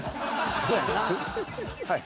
はい。